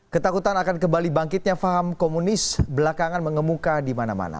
ketakutan akan kembali bangkitnya faham komunis belakangan mengemuka di mana mana